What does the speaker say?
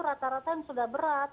rata rata yang sudah berat